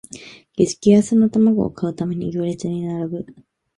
激安の玉子を買うために行列に並ぶ